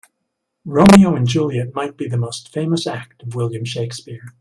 Romeo and Juliet might be the most famous act of William Shakespeare.